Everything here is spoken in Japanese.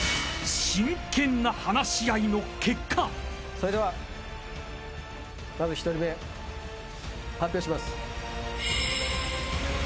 それではまず１人目発表します。